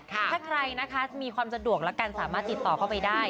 ถ้าใครนะคะมีความสะดวกแล้วกันสามารถติดต่อเข้าไปได้